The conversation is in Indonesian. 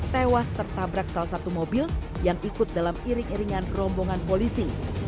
tewas tertabrak salah satu mobil yang ikut dalam iring iringan rombongan polisi